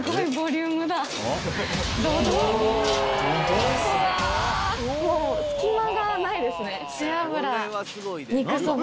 うわもう隙間がないですね。